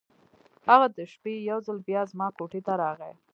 هغه د شپې یو ځل بیا زما کوټې ته راغی.